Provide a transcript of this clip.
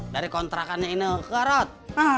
dari kontrakannya ini ke rot